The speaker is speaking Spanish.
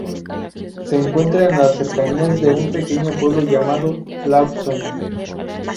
Se encuentra en las cercanías de un pequeño pueblo llamado Lawson.